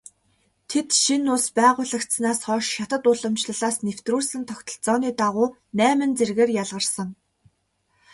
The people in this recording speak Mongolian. Тэд шинэ улс байгуулагдсанаас хойш хятад уламжлалаас нэвтрүүлсэн тогтолцооны дагуу найман зэргээр ялгарсан.